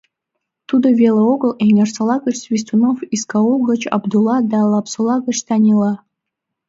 Тудо веле огыл, Эҥерсола гыч Свистунов, Искаул гыч Абдулла да Лапсола гыч Танила.